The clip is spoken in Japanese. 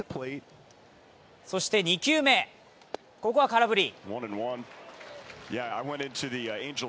そして２球目ここは空振り。